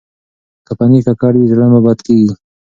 که پنېر ککړ وي، زړه مو بد کېږي.